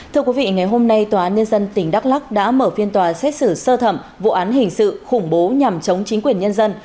thưa quý vị ngày hôm nay tòa án nhân dân tỉnh đắk lắc đã mở phiên tòa xét xử sơ thẩm vụ án hình sự khủng bố nhằm chống chính quyền nhân dân